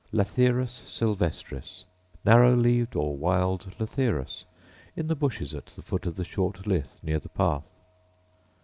Lathyrus sylvestris, narrow leaved, or wild lathyrus, — in the bushes at the foot of the Short Lith, near the path.